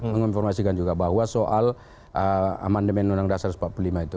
menginformasikan juga bahwa soal amandemen undang undang seribu sembilan ratus empat puluh lima itu